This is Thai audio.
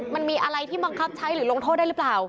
มันมีอะไรที่บังคับใช้หรือลงโทษได้หรือเปล่า